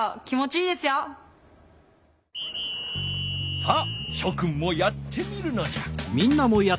さあしょくんもやってみるのじゃ。